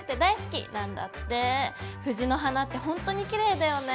藤の花ってほんとにきれいだよね。